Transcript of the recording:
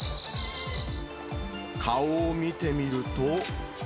顔を見てみると。